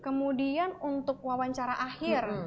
kemudian untuk wawancara akhir